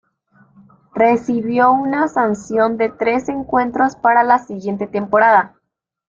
Recibió una sanción de tres encuentros para la siguiente temporada.